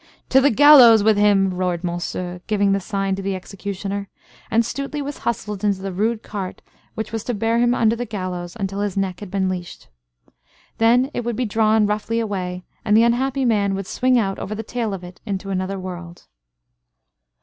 "To the gallows with him!" roared Monceux, giving the sign to the executioner; and Stuteley was hustled into the rude cart which was to bear him under the gallows until his neck had been leashed. Then it would be drawn roughly away and the unhappy man would swing out over the tail of it into another world.